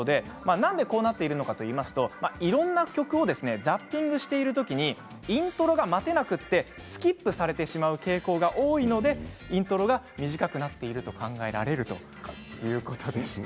なんでこうなってるのかといいますと、いろんな曲をザッピングしている時にイントロが待てなくてスキップされてしまう傾向が多いのでイントロが短くなっていると考えられるということでした。